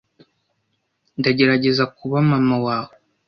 Ndagerageza kuba mama wawe